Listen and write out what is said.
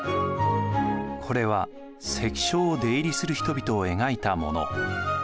これは関所を出入りする人々を描いたもの。